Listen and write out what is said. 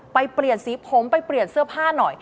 เปลี่ยนสีผมไปเปลี่ยนเสื้อผ้าหน่อย